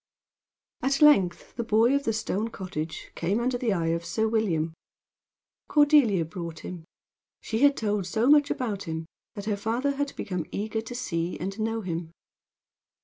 At length the boy of the stone cottage came under the eye of Sir William. Cordelia brought him. She had told so much about him that her father had become eager to see and know him.